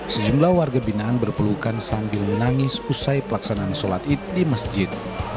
sejumlah warga binaan berpelukan sambil menangis usai pelaksanaan sholat id di masjid